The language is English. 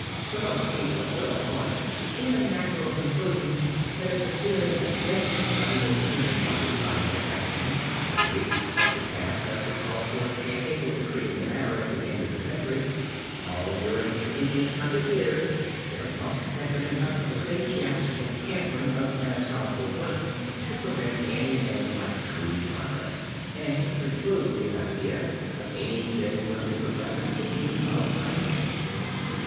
To most people, it will, at once, seem a natural conclusion, that if the feeling against the study of the human body by dissection had reached such a pass as to call forth a papal decree in the matter, at the end of the century, all during the previous hundred years, there must have been enough ecclesiastical hampering of anatomical work to prevent anything like true progress, and to preclude the idea of any genuinely progressive teaching of anatomy.